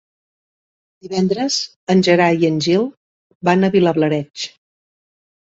Divendres en Gerai i en Gil van a Vilablareix.